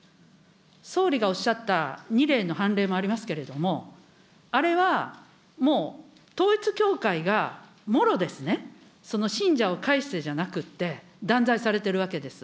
総理がおっしゃった２例の判例もありますけれども、あれはもう、統一教会がもろですね、その信者を介してじゃなくて、断罪されてるわけです。